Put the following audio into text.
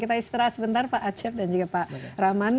kita istirahat sebentar pak acep dan juga pak rahman